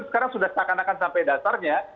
sekarang sudah seakan akan sampai dasarnya